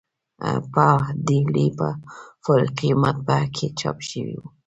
په ډهلي په فاروقي مطبعه کې چاپ شوی و.